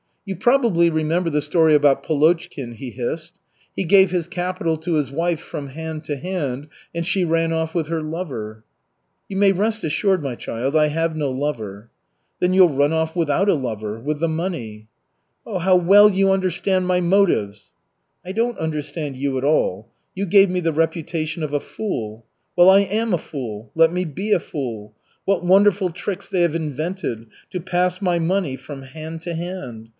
"You probably remember the story about Polochkin," he hissed. "He gave his capital to his wife 'from hand to hand' and she ran off with her lover." "You may rest assured, my child, I have no lover." "Then you'll run off without a lover with the money." "How well you understand my motives!" "I don't understand you at all. You gave me the reputation of a fool. Well, I am a fool. Let me be a fool. What wonderful tricks they have invented to pass my money from hand to hand!